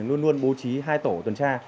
luôn luôn bố trí hai tổ tuần tra